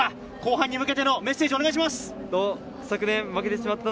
後半のメッセージをお願いします。